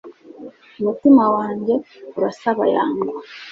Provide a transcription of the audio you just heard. Umutima wanjye urasabayangwa